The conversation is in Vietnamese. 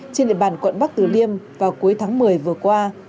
trên địa bàn quận bắc từ liêm vào cuối tháng một mươi vừa qua